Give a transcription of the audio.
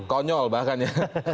konyol bahkan ya